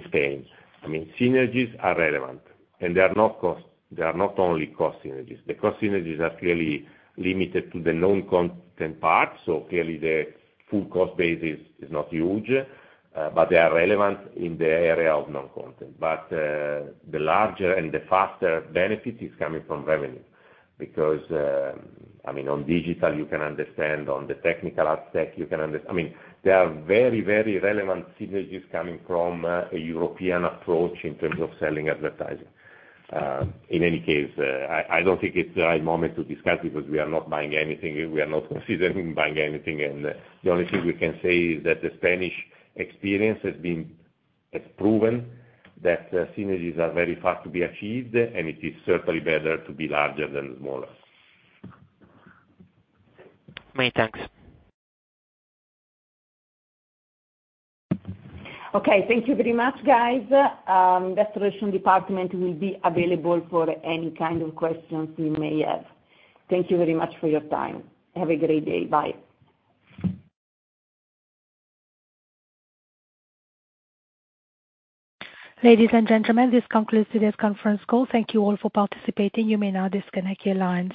Spain. I mean, synergies are relevant. And they are not cost. They are not only cost synergies. The cost synergies are clearly limited to the non-content part. So clearly, the full cost base is not huge. But they are relevant in the area of non-content. But the larger and the faster benefit is coming from revenue because, I mean, on digital, you can understand. On the technical aspect, you can understand. I mean, there are very, very relevant synergies coming from a European approach in terms of selling advertising. In any case, I don't think it's the right moment to discuss because we are not buying anything. We are not considering buying anything. The only thing we can say is that the Spanish experience has proven that synergies are very fast to be achieved. It is certainly better to be larger than smaller. Many thanks. Okay. Thank you very much, guys. The Investor Relations Department will be available for any kind of questions you may have. Thank you very much for your time. Have a great day. Bye. Ladies and gentlemen, this concludes today's conference call. Thank you all for participating. You may now disconnect your line.